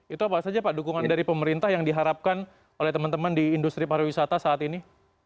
itu apa saja pak dukungan dari pemerintah yang diharapkan oleh teman teman di industri pariwisata saat ini